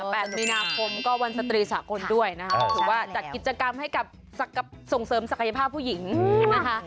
แปดมีนาคมก็วันสตรีสากลด้วยนะคะถือว่าจัดกิจกรรมให้กับส่งเสริมศักยภาพผู้หญิงนะคะ